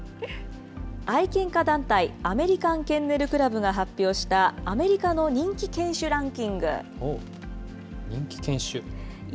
愛犬家団体、アメリカン・ケンネル・クラブが発表したアメリカの人気犬種ランキング。